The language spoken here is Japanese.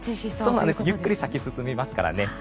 ゆっくり咲き進みますからね。